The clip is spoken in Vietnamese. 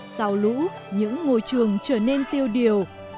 sau lũ những ngôi trường trở nên tiêu điều